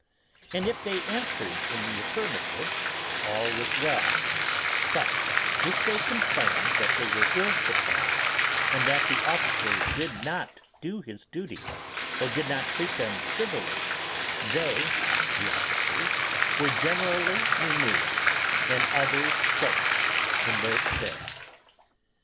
And if they answered in the affirmative, all was well; but if they complained that they were ill supplied, and that the officer did not do his duty, or did not treat them civilly, they (the officers) were generally removed, and others placed in their stead.